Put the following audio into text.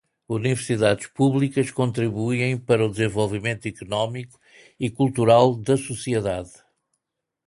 Universidades públicas contribuem para o desenvolvimento econômico e cultural da sociedade.